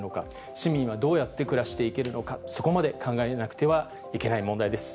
市民はどうやって暮らしていけるのか、そこまで考えなくてはいけない問題です。